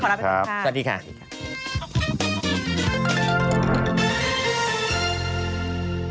โปรดติดตามตอนต่อไป